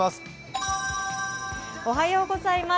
おはようございます。